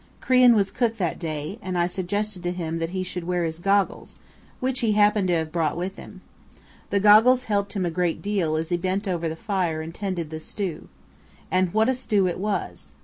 Crean was cook that day, and I suggested to him that he should wear his goggles, which he happened to have brought with him. The goggles helped him a great deal as he bent over the fire and tended the stew. And what a stew it was!